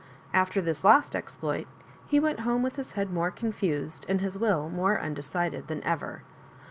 Atter this last exploit he went home with his head more confused, and his will more undecided, than ever.